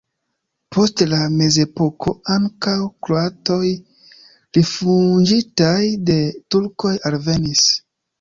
Post la mezepoko ankaŭ kroatoj rifuĝintaj de turkoj alvenis.